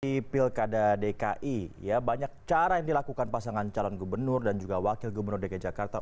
di pilkada dki ya banyak cara yang dilakukan pasangan calon gubernur dan juga wakil gubernur dki jakarta